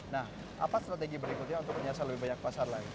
nah apa strategi berikutnya untuk menyiasa lebih banyak pasar lain